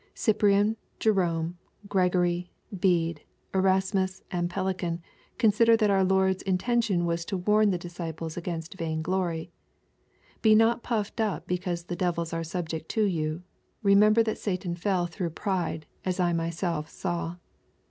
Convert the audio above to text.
Cyprian, Jerome, Gregory, Bede, Erasmus, and Pellican, con sider that our Lord's intention was to warn the disciples against vain glory ;" Be not puffed up because tlie devils are sulject to you. Kemember that Satan fell through pride, as I myself saw.